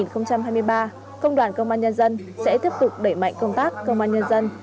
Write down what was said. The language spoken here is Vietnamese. năm hai nghìn hai mươi ba công đoàn công an nhân dân sẽ tiếp tục đẩy mạnh công tác công an nhân dân